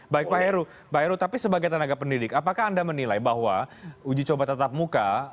baik pak heru pak heru tapi sebagai tenaga pendidik apakah anda menilai bahwa uji coba tetap muka